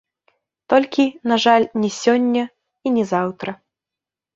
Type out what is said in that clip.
Толькі, на жаль, не сёння і не заўтра.